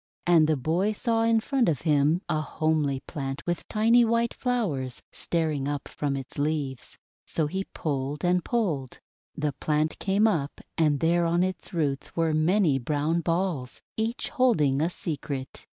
And the boy saw in front of him a homely plant with tiny white flowers staring up from its leaves. So he pulled and pulled. The plant came up, and there on its roots were many brown balls, each holding a secret.